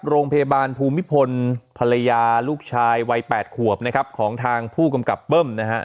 โรงพยาบาลภูมิพลภรรยาลูกชายวัย๘ขวบนะครับของทางผู้กำกับเบิ้มนะฮะ